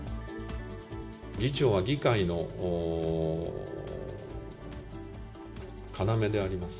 議長は議会のかなめであります。